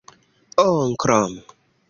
onklo